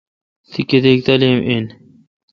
تی کتیک تعلیم این؟